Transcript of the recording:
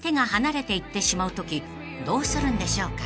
［どうするんでしょうか？］